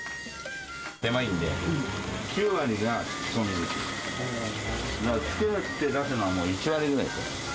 狭いので、９割が仕込み、作って出すのはもう１割ぐらいですよ。